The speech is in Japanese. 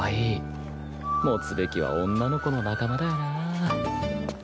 持つべきは女の子の仲間だよな。